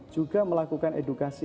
juga melakukan edukasi